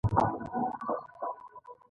د ځونډي ګل تر راتګ پورې مې خان قره باغي یاد شو.